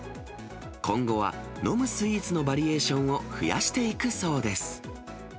今後は飲むスイーツのバリエーションを増やしていくそうです。